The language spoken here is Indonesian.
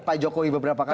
pak jokowi beberapa kali